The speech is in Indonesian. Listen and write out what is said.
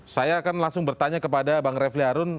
saya akan langsung bertanya kepada bang refli harun